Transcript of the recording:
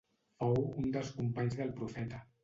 Fou un dels companys del Profeta.